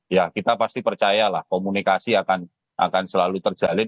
ya kita pasti percayalah komunikasi akan selalu terjalin